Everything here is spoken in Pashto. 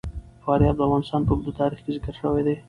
فاریاب د افغانستان په اوږده تاریخ کې ذکر شوی دی.